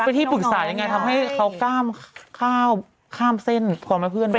เป็นที่ปรึกษายังไงทำให้เขากล้ามข้าวข้ามเส้นความเป็นเพื่อนไป